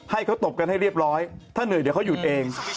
ให้เขาตบกันให้เรียบร้อยถ้าเหนื่อยเดี๋ยวเขาหยุดเอง